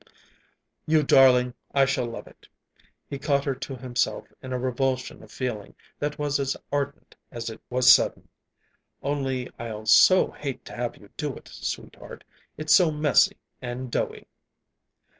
"You darling! I shall love it!" He caught her to himself in a revulsion of feeling that was as ardent as it was sudden. "Only I'll so hate to have you do it, sweetheart it's so messy and doughy!"